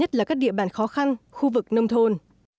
nhất là các địa bàn khó khăn khu vực nông thôn